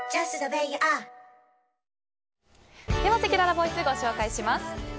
せきららボイスご紹介します。